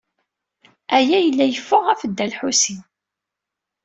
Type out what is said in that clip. Aya yella yeffeɣ ɣef Dda Lḥusin.